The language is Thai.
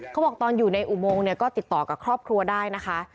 เขาบอกตอนอยู่ในอุโมงเนี่ยก็ติดต่อกับครอบครัวได้นะคะ